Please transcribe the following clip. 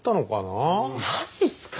マジっすか。